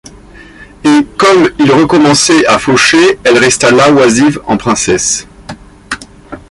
Et, comme il recommençait à faucher, elle resta là, oisive, en princesse.